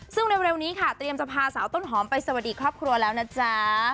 ซึ่งเร็วนี้ค่ะเตรียมจะพาสาวต้นหอมไปสวัสดีครอบครัวแล้วนะจ๊ะ